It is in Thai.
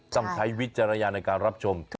ใช้วิจารณญาณในการรับชม